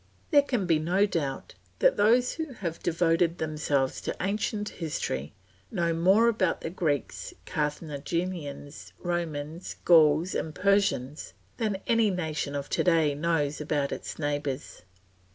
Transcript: There can be no doubt that those who have devoted themselves to ancient history know more about the Greeks, Carthaginians, Romans, Gauls, and Persians than any nation of to day knows about its neighbours.